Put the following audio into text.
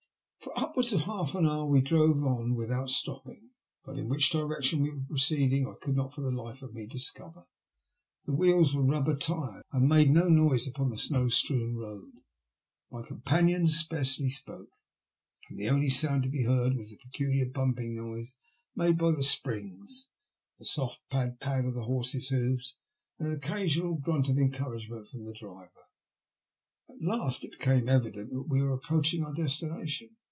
For upwards of half an hour we drove on without stopping, but in which direction we were proceeding I could not for the life of me discover. The wheels were rubber tyred and made no noise upon the snow strewn road ; my companion scarcely spoke, and the only sound to be heard was the peculiar bumping noise made by the springs, the soft pad pad of the horse's hoofs, and an occasional grunt of encourage ment from the driver. At last it became evident that we were approaching our destination.